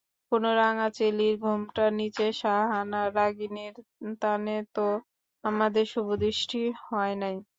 কোনো রাঙা চেলির ঘোমটার নীচে শাহানা রাগিণীর তানে তো আমাদের শুভদৃষ্টি হয় নাই!